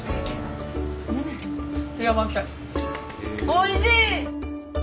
おいしい！